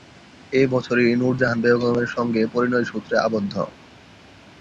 এ বছরই নূরজাহান বেগমের সঙ্গে পরিণয়সূত্রে আবদ্ধ।